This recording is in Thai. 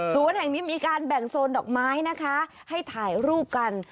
แห่งนี้มีการแบ่งโซนดอกไม้นะคะให้ถ่ายรูปกัน